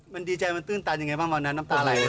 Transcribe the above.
มันดีใจมันตื้นตันยังไงบ้างบ้างนะน้ำตาไหล่ได้ไหม